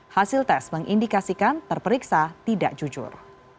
hasil tes mengindikasikan terperiksa tidak jujur